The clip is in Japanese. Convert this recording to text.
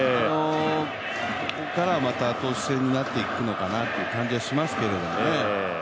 ここからはまた投手戦になっていくのかなという感じがしますけどね。